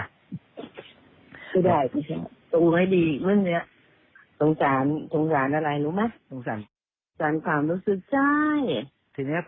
ก็ได้พี่ช้าตงไม่ดีเมื่อนี้